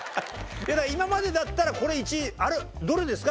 今までだったらこれ１位あるどれですか？